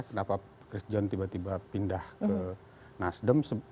kenapa christian tiba tiba pindah ke nasdem